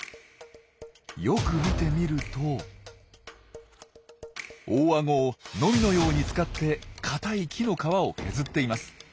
よく見てみると大あごをノミのように使って硬い木の皮を削っています。